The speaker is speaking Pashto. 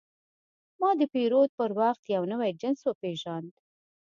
ما د پیرود پر وخت یو نوی جنس وپېژاند.